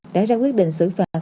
đã ra quyết định xử phạt